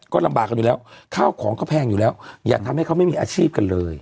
ก็ลำบากกันอยู่แล้วข้าวของก็แพงอยู่แล้วอย่าทำให้เขาไม่มีอาชีพกันเลย